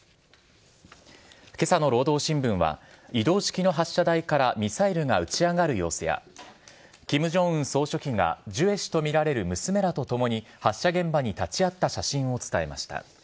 今朝の労働新聞は移動式の発射台からミサイルが打ち上がる様子や金正恩総書記がジュエ氏とみられる娘らとともに発射現場に立ち会った写真を伝えました。